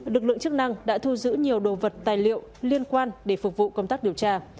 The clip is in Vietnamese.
lực lượng chức năng đã thu giữ nhiều đồ vật tài liệu liên quan để phục vụ công tác điều tra